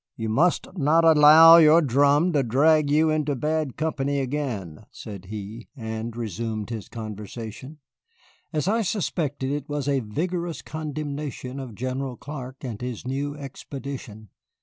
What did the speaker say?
"You must not allow your drum to drag you into bad company again," said he, and resumed his conversation. As I suspected, it was a vigorous condemnation of General Clark and his new expedition.